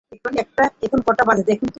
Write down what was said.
এখন কটা বাজে দেখুন তো।